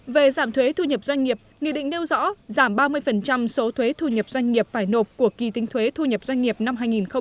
về giảm thuế thu nhập doanh nghiệp nghị định nêu rõ giảm ba mươi số thuế thu nhập doanh nghiệp phải nộp của kỳ tính thuế thu nhập doanh nghiệp năm hai nghìn hai mươi